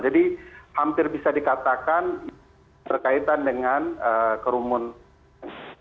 jadi hampir bisa dikatakan berkaitan dengan kerumunan